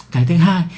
cái thứ hai